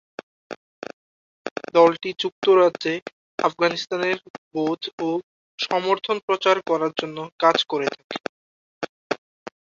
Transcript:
দলটি যুক্তরাজ্যে আফগানিস্তানের বোধ ও সমর্থন প্রচার করার জন্য কাজ করে থাকে।